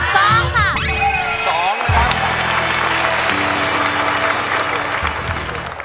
สองค่ะสองนะครับ